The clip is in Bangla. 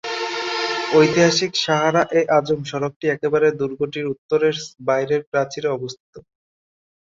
ঐতিহাসিক শাহরা-এ-আজম সড়কটি একবারে দুর্গটির উত্তরের বাইরের প্রাচীরের পাশে অবস্থিত।